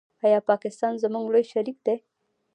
آیا پاکستان زموږ لوی شریک دی؟